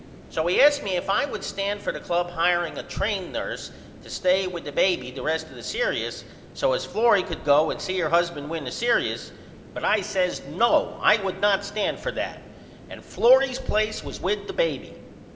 So he asked me if I would stand for the club hireing a train nurse to stay with the baby the rest of the serious so as Florrie could go and see her husband win the serious but I says No I would not stand for that and Florrie's place was with the baby.